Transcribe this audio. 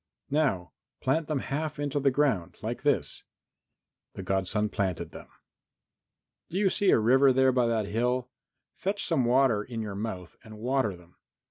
"Now plant them half into the ground, like this." The godson planted them. "Do you see a river there by that hill? Fetch some water in your mouth and water them.